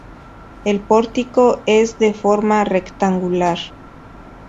El pórtico es de forma rectangular.